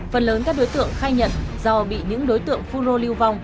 phần lớn các đối tượng khai nhận do bị những đối tượng phun rô lưu vong